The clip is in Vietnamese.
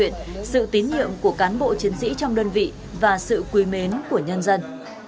lãnh đạo công an huyện sự tín hiệu của cán bộ chiến sĩ trong đơn vị và sự quý mến của nhân dân